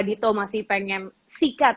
dito masih pengen sikat